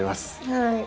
はい。